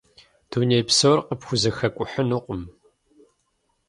Дуней псор къыпхузэхэкӀухьынукъым.